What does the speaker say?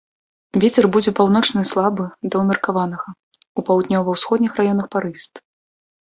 Вецер будзе паўночны слабы да ўмеркаванага, у паўднёва-ўсходніх раёнах парывісты.